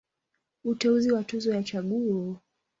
Uteuzi wa Tuzo ya Chaguo.